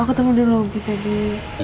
aku ketemu di lobby tadi